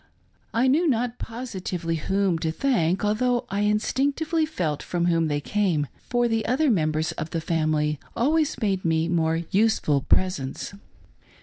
I knew not positively whom to thank, although I instinctively felt from whom they came, for the other members of the family always made me more useful presents.